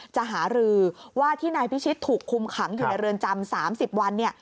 หารือว่าที่นายพิชิตถูกคุมขังอยู่ในเรือนจำ๓๐วันเนี่ย